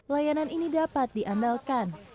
layanan ini dapat diandalkan